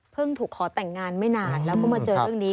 ถูกขอแต่งงานไม่นานแล้วก็มาเจอเรื่องนี้